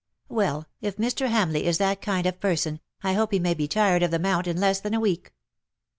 Well, if Mr. Hamleigh is that kind of person, I hope he may be tired of the Mount in less than a week.